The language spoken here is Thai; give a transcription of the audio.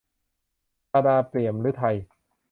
ธาดา เปี่ยมฤทัย